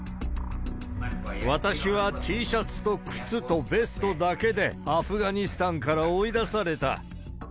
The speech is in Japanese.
私はＴシャツと靴とベストだけで、アフガニスタンから追い出された。